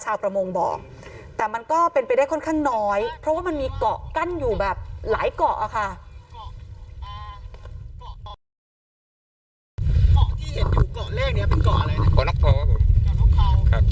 เกาะที่เห็นอยู่เกาะเลขเนี่ยเป็นเกาะอะไรนะเกาะนกพร้อมครับผมเกาะนกพร้อมครับผ่านไปไกลไกลนู้นน่ะ